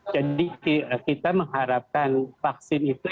jadi kita mengharapkan vaksin itu